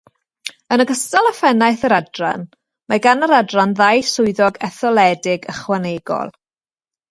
Yn ogystal â phennaeth yr adran, mae gan yr adran ddau swyddog etholedig ychwanegol.